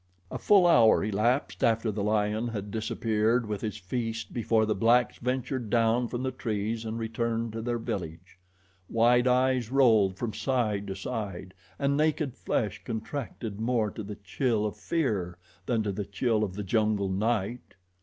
A full hour elapsed after the lion had disappeared with his feast before the blacks ventured down from the trees and returned to their village. Wide eyes rolled from side to side, and naked flesh contracted more to the chill of fear than to the chill of the jungle night.